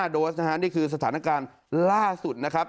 ๑๐๖๕๙๒๖๘๕โดสนะฮะนี่คือสถานการณ์ล่าสุดนะครับ